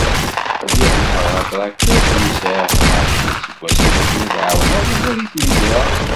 Bdiɣ nehhreɣ atraktur segmi sεiɣ tnac iseggasen akken ad εawneɣ baba deg tmegra.